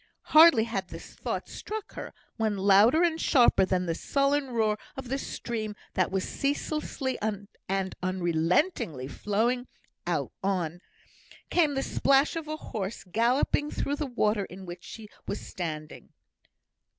Hardly had this thought struck her, when, louder and sharper than the sullen roar of the stream that was ceaselessly and unrelentingly flowing on, came the splash of a horse galloping through the water in which she was standing.